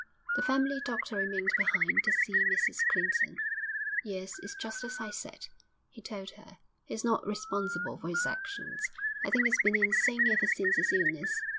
The family doctor remained behind to see Mrs Clinton. 'Yes, it's just as I said,' he told her. 'He's not responsible for his actions. I think he's been insane ever since his illness.